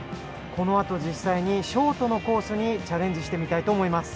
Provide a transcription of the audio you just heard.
このあと、実際にショートのコースにチャレンジしてみたいと思います。